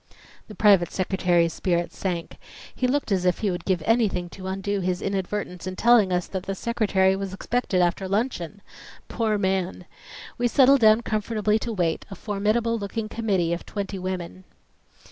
The private secretary's spirits sank. He looked as if he would give anything to undo his inadvertence in telling us that the Secretary was expected after luncheon! Poor man! We settled down comfortably to wait, a formidable looking committee of twenty women.